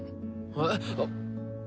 えっ。